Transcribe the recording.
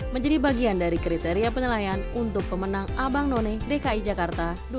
menjadi bagian dari kriteria penilaian untuk pemenang abang none dki jakarta dua ribu dua puluh